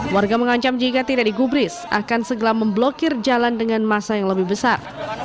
warga mengancam jika tidak digubris akan segera memblokir jalan dengan masa yang lebih besar